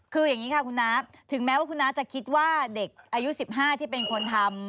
คืออย่างนี้ค่ะคุณน้าถึงแม้ว่าคุณน้าจะคิดว่าเด็กอายุ๑๕ที่เป็นคนทำ